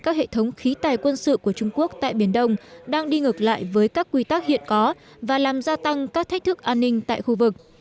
các hệ thống khí tài quân sự của trung quốc tại biển đông đang đi ngược lại với các quy tắc hiện có và làm gia tăng các thách thức an ninh tại khu vực